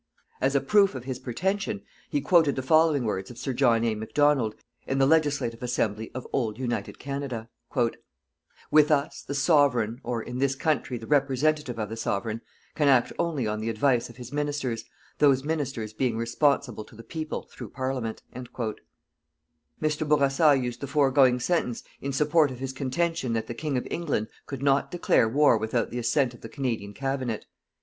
As a proof of his pretension, he quoted the following words of Sir John A. Macdonald, in the Legislative Assembly of old United Canada: "_With us the Sovereign, or, in this country the representative of the Sovereign, can act only on the advice of His Ministers, those Ministers being responsible to the people through Parliament._" Mr. Bourassa used the foregoing sentence in support of his contention that the King of England could not declare war without the assent of the Canadian Cabinet.